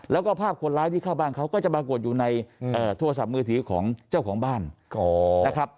แล้วก็ภาพคนร้ายที่เข้าบ้านเขาก็จะปรากฏอยู่ในโทรศัพท์มือถือของเจ้าของบ้านนะครับ